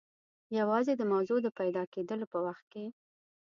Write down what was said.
یوازې د موضوع د پیدا کېدلو په وخت کې.